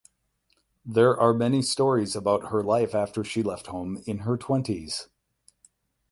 There are many stories about her life after she left home in her twenties.